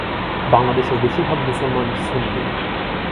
বাংলাদেশের বেশির ভাগ মুসলমান সুন্নি।